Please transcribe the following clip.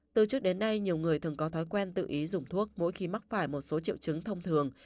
từ trước đến nay nhiều người thường có thói quen tự ý dùng thuốc mỗi khi mắc phải một số triệu chứng thông thường